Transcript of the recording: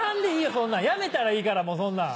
そんなんやめたらいいからもうそんなん。